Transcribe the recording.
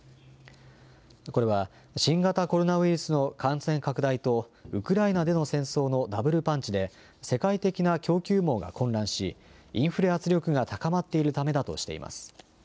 これは新型コロナウイルスの感染拡大とウクライナでの戦争のダブルパンチで世界的な供給網が混乱しインフレ圧力が高まっているためだとしています。